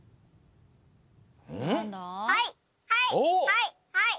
はいはい。